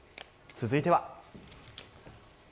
続いては。